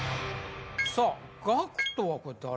さあＧＡＣＫＴはこれ誰？